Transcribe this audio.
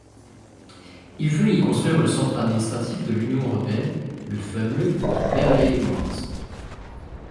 Il veut y construire le centre administratif de l’Union européenne, le fameux Berlaymont.